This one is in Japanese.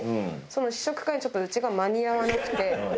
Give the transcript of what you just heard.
その試食会にちょっとうちが間に合わなくて。